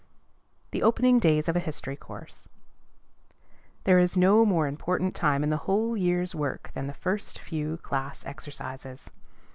THE OPENING DAYS OF A HISTORY COURSE. There is no more important time in the whole year's work than the first few class exercises.